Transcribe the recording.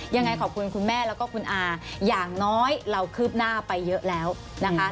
ยังไงขอบคุณคุณแม่แล้วก็คุณอาอย่างน้อยเราคืบหน้าไปเยอะแล้วนะคะ